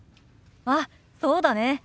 あっそうだね。